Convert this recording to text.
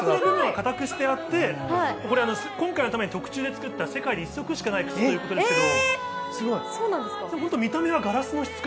硬くしてあって、これ、今回のために特注で作った世界で一足しかないという靴ですけど。